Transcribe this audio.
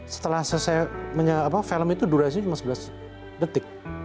setelah saya menyangka film itu durasi cuma sebelas detik